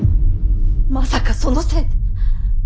まさかそのせいで。